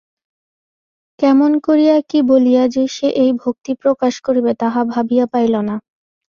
কেমন করিয়া কী বলিয়া যে সে এই ভক্তি প্রকাশ করিবে তাহা ভাবিয়া পাইল না।